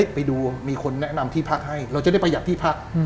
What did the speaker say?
ไปดูมีคนแนะนำที่พักให้เราจะได้ประหยัดที่พัก